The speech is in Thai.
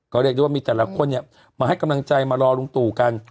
ก็เรียกได้ว่ามีแต่ละคนเนี่ยมาให้กำลังใจมารอลุงตู่กัน